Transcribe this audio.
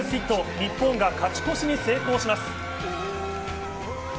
日本が勝ち越しに成功します。